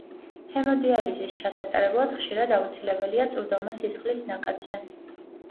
ჰემოდიალიზის ჩასატარებლად ხშირად აუცილებელია წვდომა სისხლის ნაკადზე.